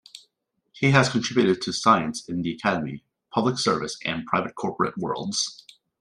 He has contributed to science in the academic, public service, and private corporate worlds.